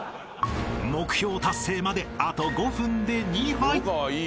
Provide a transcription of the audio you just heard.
［目標達成まであと５分で２杯］